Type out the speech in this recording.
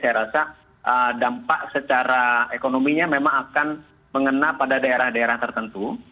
saya rasa dampak secara ekonominya memang akan mengena pada daerah daerah tertentu